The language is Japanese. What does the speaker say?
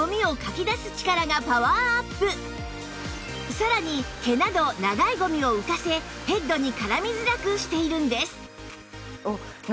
さらに毛など長いゴミを浮かせヘッドに絡みづらくしているんです